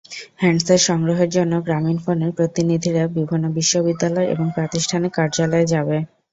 Handset সংগ্রহের জন্য গ্রামীণফোনের প্রতিনিধিরা বিভিন্ন বিশ্ববিদ্যালয় এবং প্রাতিষ্ঠানিক কার্যালয়ে যাবে।